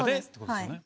はい。